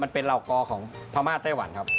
เป็นเหล่ากอของพม่าไต้หวันครับ